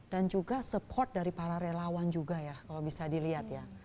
dan juga support dari para relawan juga ya kalau bisa dilihat ya